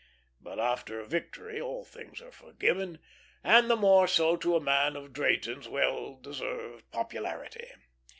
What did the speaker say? But after a victory all things are forgiven, and the more so to a man of Drayton's well deserved popularity.